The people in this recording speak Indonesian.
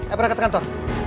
eh berdekat kantor